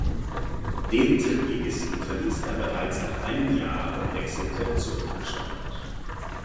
Den Drittligisten verließ er bereits wieder nach einem Jahr und wechselte zurück nach Schottland.